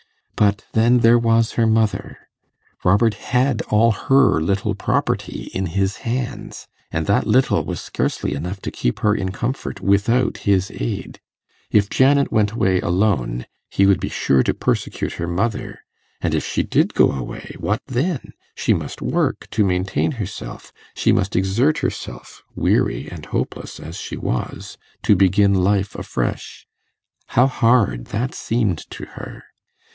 But then there was her mother: Robert had all her little property in his hands, and that little was scarcely enough to keep her in comfort without his aid. If Janet went away alone he would be sure to persecute her mother; and if she did go away what then? She must work to maintain herself; she must exert herself, weary and hopeless as she was, to begin life afresh. How hard that seemed to her!